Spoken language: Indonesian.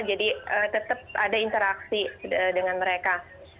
jadi tetap ada interaksi dengan mereka